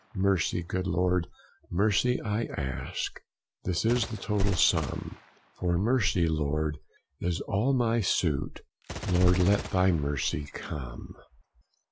Mercy, good Lord, mercy I ask, This is the total sum; For mercy, Lord, is all my suit; Lord, Let thy mercy come!